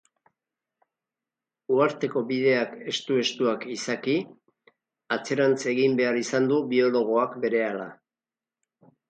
Uharteko bideak estu-estuak izaki, atzerantz egin behar izan du biologoak berehala.